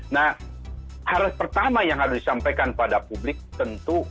nah hal pertama yang harus disampaikan pada publik tentu